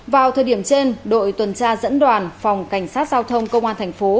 vào thời điểm trên đội tuần tra dẫn đoàn phòng cảnh sát giao thông công an thành phố